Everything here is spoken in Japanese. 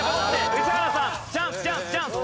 宇治原さんチャンスチャンスチャンス！